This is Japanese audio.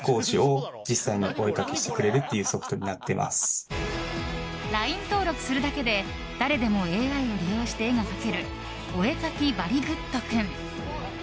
実は去年ＬＩＮＥ登録するだけで誰でもＡＩを利用して絵が描けるお絵描きばりぐっどくん。